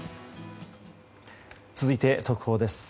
続いて、特報です。